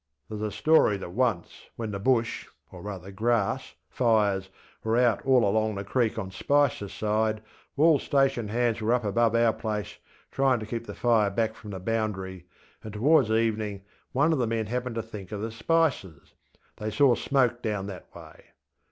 ŌĆÖ ThereŌĆÖs a story that once, when the Bush, or rather grass, fires were out all along the creek on SpicerŌĆÖs side, WallŌĆÖs station hands were up above our place, trying to keep the fire back from the boundary, and towards evening one of the men happened to think of the Spicers: they saw smoke down that way.